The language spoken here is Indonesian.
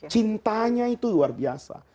cintanya itu luar biasa